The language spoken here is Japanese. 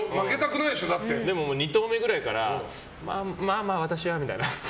でも２投目ぐらいからまあまあ私はみたいな。